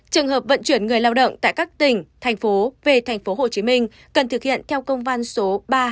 trường hợp vận chuyển người lao động tại các tỉnh thành phố về tp hcm cần thực hiện theo công van số ba nghìn hai trăm ba mươi một